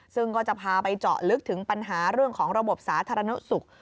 ซึ่งก็จะพาไปเจาะลึกถึงปัญหาเรื่องของระบบสาธารณสุข